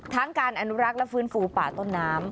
การอนุรักษ์และฟื้นฟูป่าต้นน้ำ